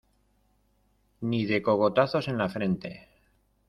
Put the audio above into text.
ni de cogotazos en la frente.